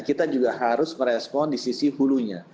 kita juga harus merespon di sisi hulunya